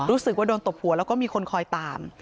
รู้สึกว่าโดนตบหัวแล้วก็มีคนคอยตาม